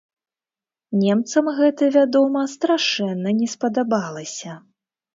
Немцам гэта, вядома, страшэнна не спадабалася.